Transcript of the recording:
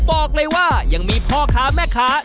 บอกเลยว่ายังมีพ่อค้าแม่ค้า